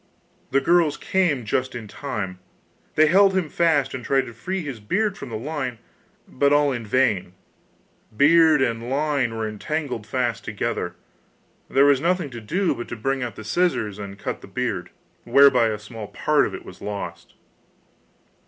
The girls came just in time; they held him fast and tried to free his beard from the line, but all in vain, beard and line were entangled fast together. There was nothing to do but to bring out the scissors and cut the beard, whereby a small part of it was lost.